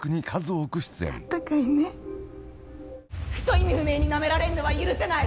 「クソ意味不明に舐められるのは許せない！